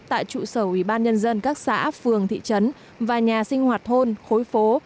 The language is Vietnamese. tại trụ sở ủy ban nhân dân các xã phường thị trấn và nhà sinh hoạt thôn khối phố